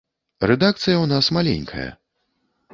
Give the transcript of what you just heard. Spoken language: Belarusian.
Рэдакцыя ў нас маленькая.